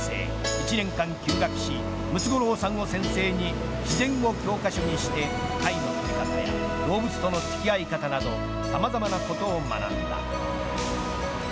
１年間休学しムツゴロウさんを先生に自然を教科書にして動物の付き合い方など様々なことを学んだ。